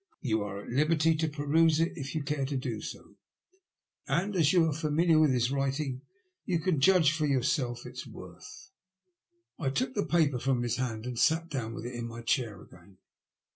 You are at liberty to peruse it if you care to do so, and as you are familiar with his writing, you can judge for yourself of its worth." I took the paper from his hand and sat down with it in my chair again.